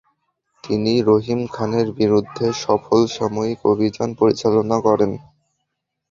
তিনি রহিম খানের বিরুদ্ধে সফল সামরিক অভিযান পরিচালনা করেন।